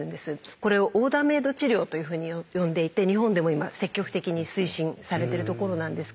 これを「オーダーメイド治療」というふうに呼んでいて日本でも今積極的に推進されてるところなんですけれども。